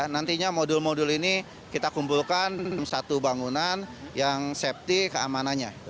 nantinya modul modul ini kita kumpulkan satu bangunan yang safety keamanannya